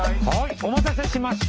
お待たせしました！